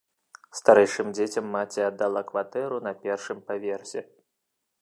Старэйшым дзецям маці аддала кватэру на першым паверсе.